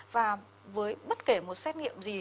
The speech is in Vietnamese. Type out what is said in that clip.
và với bất kể một xét nghiệm gì